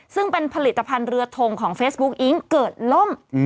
ซึ่งเป็นผลิตภัณฑ์เรือทงของเฟซบุ๊คอิ๊งเกิดล่ม